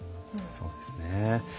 そうですね。